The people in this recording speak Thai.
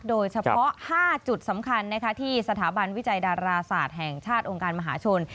โดยเฉพาะ๕จุดสำคัญที่สถาบันวิจัยดาราศาสตร์แห่งชาติองค์การมหาชน